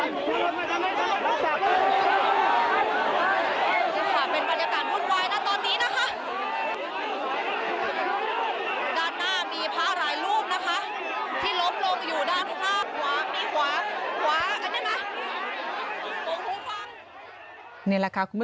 ๘นาฬิกา๑๖นาทีมีกระแสข่าว